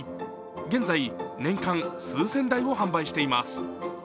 現在、年間数千台を販売しています